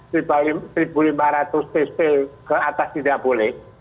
seribu lima ratus cc ke atas tidak boleh